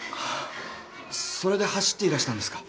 それで走っていらしたんですか？